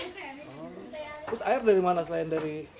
terus air dari mana selain dari